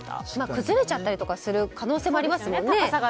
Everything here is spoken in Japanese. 崩れちゃったりする可能性もありますもんね。